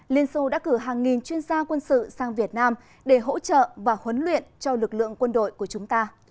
liên xô đã cử hàng nghìn chuyên gia quân sự sang việt nam để hỗ trợ và huấn luyện cho lực lượng quân đội của chúng ta